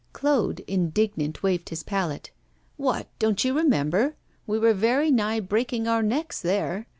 Claude, indignant, waved his palette. 'What! don't you remember? We were very nigh breaking our necks there.